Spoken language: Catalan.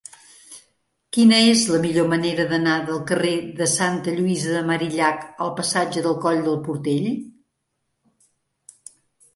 Quina és la millor manera d'anar del carrer de Santa Lluïsa de Marillac al passatge del Coll del Portell?